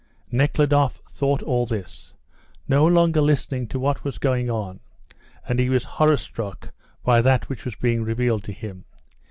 Nekhludoff thought all this, no longer listening to what was going on, and he was horror struck by that which was being revealed to him.